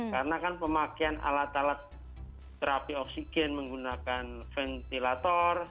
karena kan pemakaian alat alat terapi oksigen menggunakan ventilator